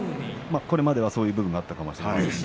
これまではそういう部分があったかもしれません。